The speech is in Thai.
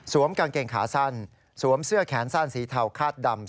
กางเกงขาสั้นสวมเสื้อแขนสั้นสีเทาคาดดำ